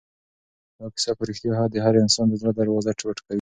دا کیسه په رښتیا هم د هر انسان د زړه دروازه ټکوي.